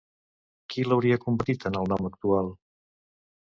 Qui l'hauria convertit en el nom actual?